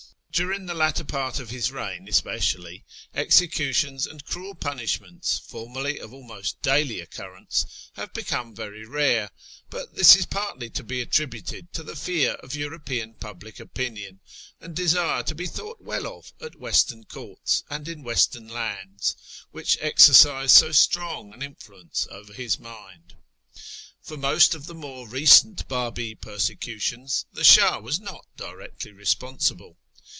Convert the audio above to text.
During the latter part of his reign, especially, executions and cruel j)unishments, for merly of almost daily occurrence, have become very rare ; but this is partly to be attributed to the fear of European public opinion, and desire to be thought well of at western courts and in western lands, which exercise so strong an influence over his mind. For most of the more recent Babi persecutions the Shah was not directly responsible.